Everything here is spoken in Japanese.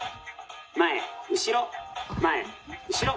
前後ろ前後ろ。